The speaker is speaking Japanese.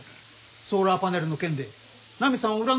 ソーラーパネルの件でナミさんを恨んどったんやろ？